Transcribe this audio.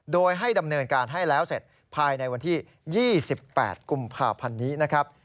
โดยให้ดำเนินการให้แล้วเสร็จภายในวันที่๒๘กุมภาพันธ์นี้นะครับ